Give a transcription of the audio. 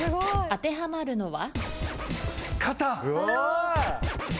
当てはまるのは？